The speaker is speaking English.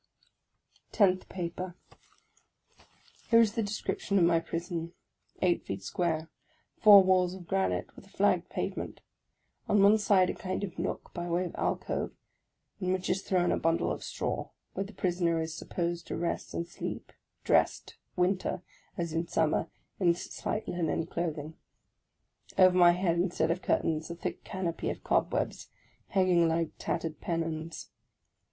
TENTH PAPER HERE is the description of my prison : eight feet square ; four walls of granite, with a flagged pavement ; on one side a kind of nook by way of alcove, in which is thrown a bundle of straw, where the prisoner is supposed to rest and sleep, dressed, winter, as in summer, in slight linen clothing. Over my head, instead of curtains, a thick canopy of cob webs, hanging like tattered pennons.